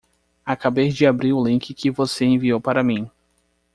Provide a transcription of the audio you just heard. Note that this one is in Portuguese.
Acabei de abrir o link que você enviou para mim.